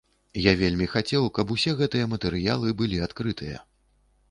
Я вельмі хацеў, каб усе гэтыя матэрыялы былі адкрытыя.